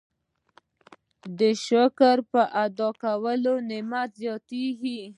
د شکر په ادا کولو نعمت زیاتیږي.